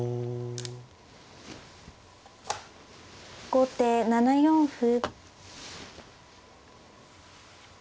後手７四歩。